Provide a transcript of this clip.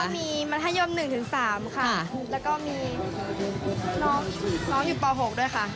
มีมัธยม๑๓ค่ะแล้วก็มีน้องอยู่ป๖ด้วยค่ะ